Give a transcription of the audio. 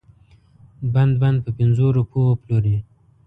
بند بند په پنځو روپو وپلوري.